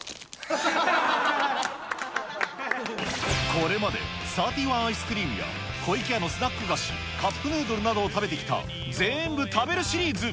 これまでサーティワンアイスクリームや湖池屋のスナック菓子、カップヌードルなどを食べてきた全部食べるシリーズ。